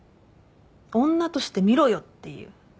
女として見ろよっていう。